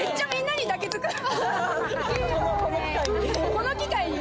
・この機会に。